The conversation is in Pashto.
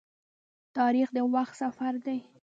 تاریخ د وخت سفر دی.